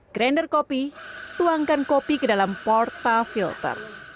grender kopi tuangkan kopi ke dalam porta filter